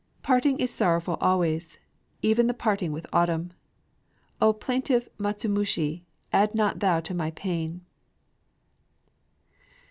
Parting is sorrowful always, even the parting with autumn! O plaintive matsumushi, add not thou to my pain!